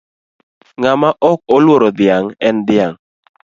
Ng'ama ok oluoro dhiang' en dhiang'.